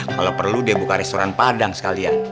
kalo perlu deh buka restoran padang sekalian